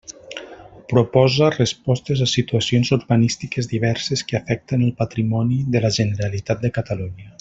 Proposa respostes a situacions urbanístiques diverses que afecten el patrimoni de la Generalitat de Catalunya.